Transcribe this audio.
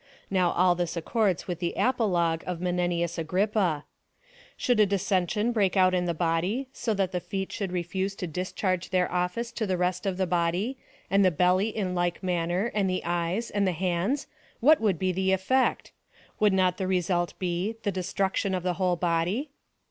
Now all this accords with the apologue of Menenius Agrippa.^ " Should a dissension break out in the body, so that the feet would refuse to discharge their office to the rest of the body, and the belly in like manner, and the eyes, and the hands, what Avould be the efi'ect ? Would not the result be — the destruction of the whole body?"